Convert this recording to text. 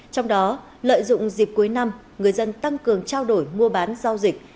trong đó lợi dụng dịp cuối năm người dân tăng cường trao đổi mua bán giao dịch